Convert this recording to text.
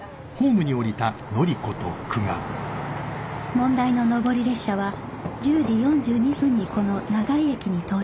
問題の上り列車は１０時４２分にこの長井駅に到着